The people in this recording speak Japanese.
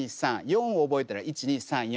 ４覚えたら１２３４。